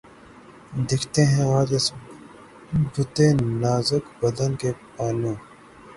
دکھتے ہیں آج اس بتِ نازک بدن کے پانو